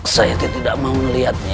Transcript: saya tidak mau melihatnya